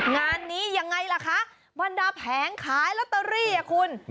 งานนี้ยังไงล่ะคะบรรดาแผงขายลอตเตอรี่อ่ะคุณ